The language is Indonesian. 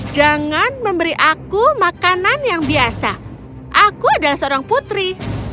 jangan memberi aku makanan yang biasa aku adalah seorang putri